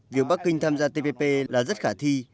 việc bắc kinh tham gia tpp là rất khả thi